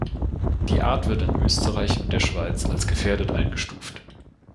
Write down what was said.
Die Art wird in Österreich und der Schweiz als gefährdet eingestuft.